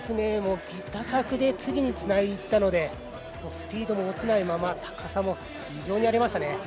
ビタ着で次につないだのでスピードも落ちないまま高さも非常にありましたね。